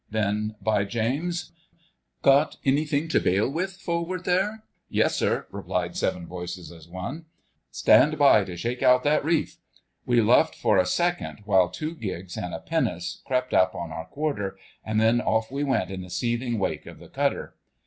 Then, by James— "Got anything to bail with, forward there?" "Yessir!" replied seven voices as one. "Stand by to shake out that reef!" We luffed for a second while two gigs and a pinnace crept up on our quarter, and then off we went in the seething wake of the cutter.